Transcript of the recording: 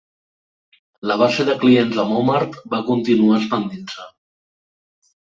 La base de clients de Momart va continuar expandint-se.